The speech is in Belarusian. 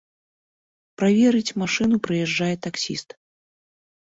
Праверыць машыну прыязджае таксіст.